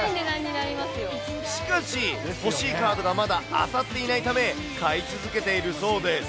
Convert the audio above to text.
しかし、欲しいカードがまだ当たっていないため、買い続けているそうです。